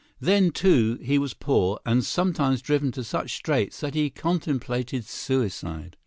Then, too, he was poor, and sometimes driven to such straits that he contemplated suicide.